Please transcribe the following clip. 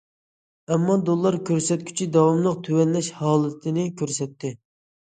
ئەمما دوللار كۆرسەتكۈچى داۋاملىق تۆۋەنلەش ھالىتىنى كۆرسەتتى.